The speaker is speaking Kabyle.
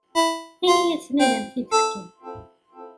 Ini-asen ad am-t-id-fken.